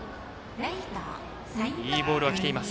いいボールはきています。